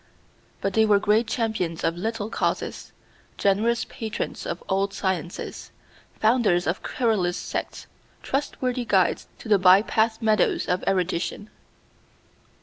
But they were great champions of little causes, generous patrons of odd sciences, founders of querulous sects, trustworthy guides to the bypath meadows of erudition.